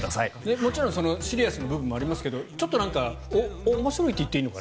もちろんシリアスな部分もありますがちょっと面白いと言っていいのかな？